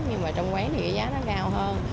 nhưng mà trong quán thì cái giá nó cao hơn